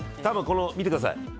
多分、見てください。